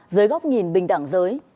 giới góc nhìn bình đẳng giới